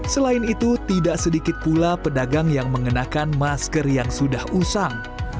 selain itu tidak sedikit pula pedagang yang mengenakan masker yang sudah usang